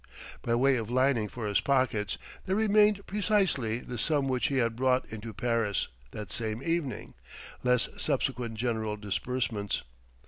By way of lining for his pockets there remained precisely the sum which he had brought into Paris that same evening, less subsequent general disbursements.